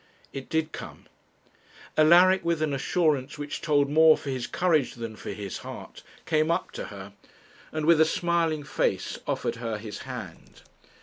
It did come; Alaric, with an assurance which told more for his courage than for his heart, came up to her, and with a smiling face offered her his hand.